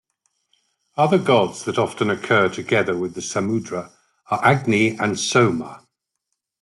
Other gods that often occur together with the Samudra are Agni and Soma.